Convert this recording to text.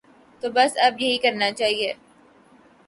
تو بس اب یہی کرنا چاہیے۔